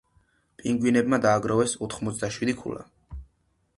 პინგვინებმა დააგროვეს ოთხმოცდაშვიდი ქულა.